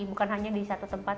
bukan hanya di satu tempat